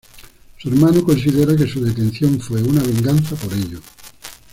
Su hermano considera que su detención fue una venganza por ello.